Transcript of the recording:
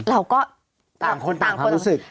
เราก็ต่างคนต่างความรู้สึก